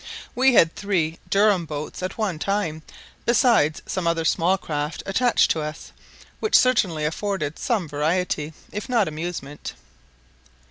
We had three Durham boats at one time, beside some other small craft attached to us, which certainly afforded some variety, if not amusement.